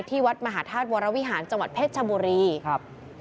วัดมหาธาตุวรวิหารจังหวัดเพชรชบุรีครับ